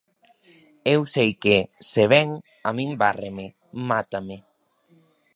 Eu sei que, se vén, a min várreme, mátame.